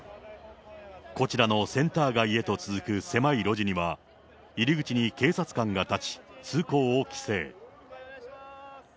こちらのセンター街へと続く狭い路地には、入り口に警察官が立ち、通行を規制。